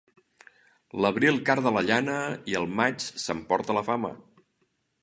L'abril carda la llana i el maig s'emporta la fama.